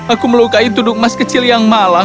aku melukai duduk emas kecil yang malang